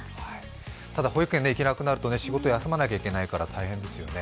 ただ、保育園に行けなくなると仕事休まなくちゃいけなくなるから大変ですよね